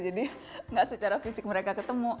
jadi gak secara fisik mereka ketemu